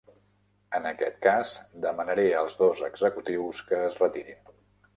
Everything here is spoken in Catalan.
En aquest cas, demanaré als dos executius que es retirin.